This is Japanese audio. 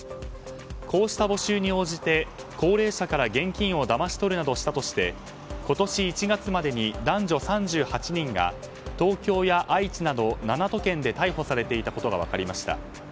こうした募集に応じて高齢者から現金をだまし取るなどしたとして今年１月までに男女３８人が東京や愛知など７都県で逮捕されていたことが分かりました。